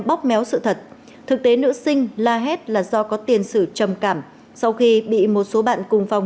bóp méo sự thật thực tế nữ sinh la hét là do có tiền sử trầm cảm sau khi bị một số bạn cùng phòng